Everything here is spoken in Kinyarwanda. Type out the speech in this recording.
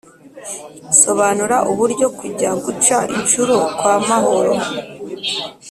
sobanura uburyo kujya guca inshuro kwa mahoro